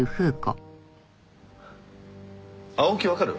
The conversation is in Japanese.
青木わかる？